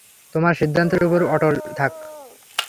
তোমার সিদ্ধান্তের উপর অটল থাক।